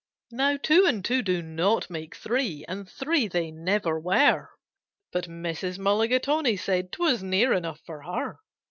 Now two and two do not make three, and three they never were; But Mrs. Mulligatawny said 'twas near enough for her.